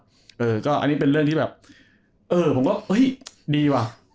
ผมว่านี่เป็นเรื่องที่ดีว่ะ